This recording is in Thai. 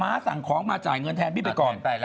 สั่งของมาจ่ายเงินแทนพี่ไปก่อน